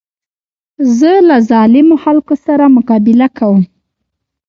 زه له ظالمو خلکو سره مقابله کوم.